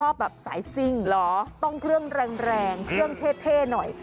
แบบสายซิ่งเหรอต้องเครื่องแรงแรงเครื่องเท่หน่อย